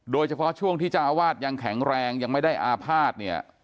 โดยเฉพาะช่วงที่เจ้าอาวาสยังแข็งแรงยังไม่ได้อาภาษณ์เนี่ย